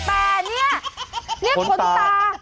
แต่เนี่ยเรียกคนตา